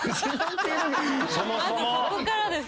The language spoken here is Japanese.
まずそこからです。